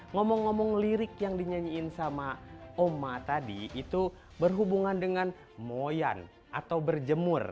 ngomong ngomong lirik yang dinyanyiin sama oma tadi itu berhubungan dengan moyan atau berjemur